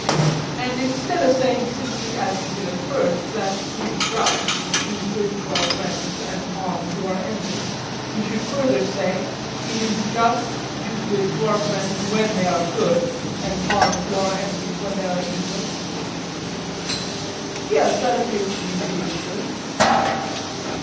And instead of saying simply as we did at first, that it is just to do good to our friends and harm to our enemies, we should further say: It is just to do good to our friends when they are good and harm to our enemies when they are evil? Yes, that appears to me to be the truth.